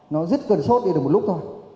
nó rất gần sốt đi được một lúc thôi